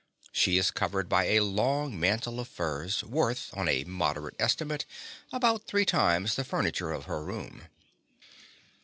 She is covered by a long mantle of furs, worth, on a moderate estimate, about three times the furniture of her room.